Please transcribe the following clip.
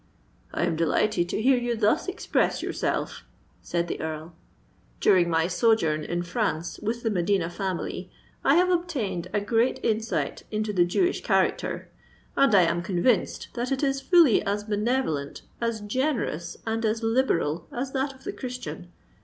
"I am delighted to hear you thus express yourself," said the Earl. "During my sojourn in France with the Medina family, I have obtained a great insight into the Jewish character; and I am convinced that it is fully as benevolent, as generous, and as liberal as that of the Christian.